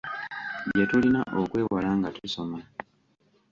Bye tulina okwewala nga tusoma